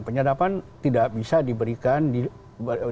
penyadapan tidak bisa diberikan di external gitu ya